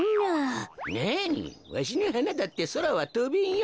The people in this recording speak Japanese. なにわしのはなだってそらはとべんよ。